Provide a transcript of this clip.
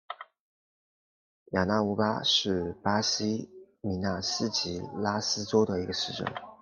雅纳乌巴是巴西米纳斯吉拉斯州的一个市镇。